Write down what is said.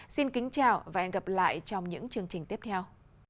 xin kính chào và hẹn gặp lại trong những chương trình tiếp theo